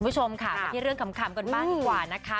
คุณผู้ชมค่ะมาเทียบเรื่องขำก่อนก่อนดีกว่า